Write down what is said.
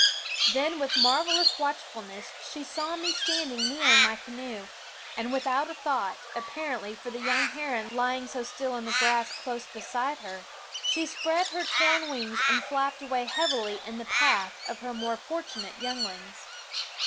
Then with marvelous watchfulness she saw me standing near in my canoe ; and without a thought, apparently, for the young heron lying so still in the grass close beside her, she spread her torn wings and flapped away heavily in the path of her more fortunate younglings.